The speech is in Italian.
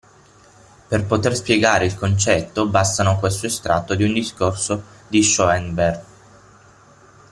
Per poter spiegare il concetto bastano questo estratto di un discorso di Schoenbern.